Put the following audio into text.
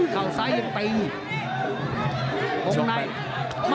เข้าซ้ายยังไปอยู่